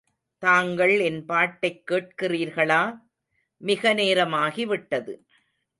தாங்கள் என் பாட்டைக் கேட்கிறீர்களா? மிக நேரமாகி விட்டது.